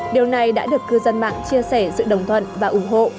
điều này đã được cư dân mạng chia sẻ sự đồng thuận và ủng hộ